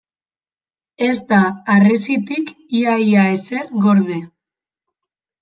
Ez da harresitik ia-ia ezer gorde.